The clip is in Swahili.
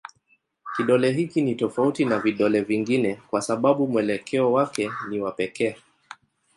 Kidole hiki ni tofauti na vidole vingine kwa sababu mwelekeo wake ni wa pekee.